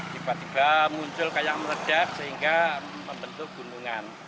tiba tiba muncul kayak meledak sehingga membentuk gunungan